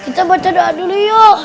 kita baca doa dulu yuk